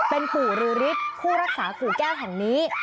เป็นปู่ฤทธิ์ผู้รักษาปู่แก้วแห่งนี้